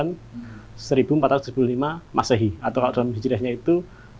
nah itu tahun seribu empat ratus lima belas masehi atau dalam hijrahnya itu delapan ratus tujuh puluh sembilan